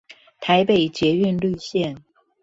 台北捷運綠線